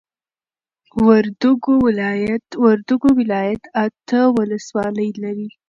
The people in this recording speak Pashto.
وردوګو ولايت اته ولسوالۍ لري